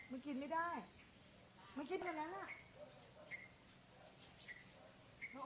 ไม่กินไม่ได้ไม่กินมาแล้วน่ะ